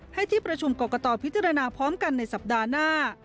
ให้ที่ประชุมกรกตพิจารณาพร้อมกันในสัปดาห์หน้า